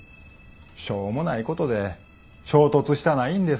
しょうもないことで衝突したないんです。